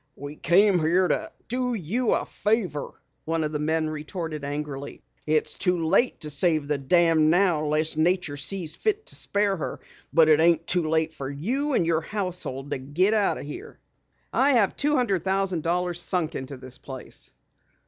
"We came here to do you a favor!" one of the men retorted angrily. "It's too late to save the dam unless nature sees fit to spare her. But it ain't too late for you and your household to get out of here." "I have two hundred thousand dollars sunk in this place."